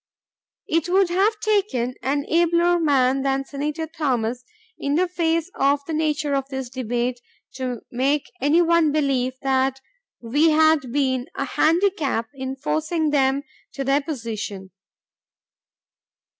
It would have taken an abler man than Senator Thomas, in the face of the nature of this debate, to make any one believe that we had been a "handicap" in forcing them to their position.